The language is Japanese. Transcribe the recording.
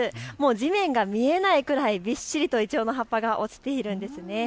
地面が見えないくらいびっしりとイチョウの葉っぱが落ちているんです。